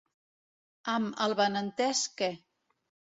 Amb el benentès que.